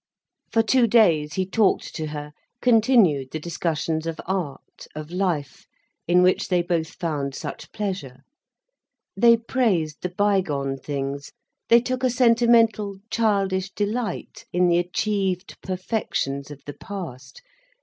For two days, he talked to her, continued the discussions of art, of life, in which they both found such pleasure. They praised the by gone things, they took a sentimental, childish delight in the achieved perfections of the past.